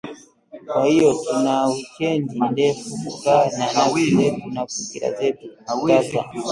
Kwa hiyo tuna wikiendi ndefu kukaa na nafsi zetu na fikra zetu tata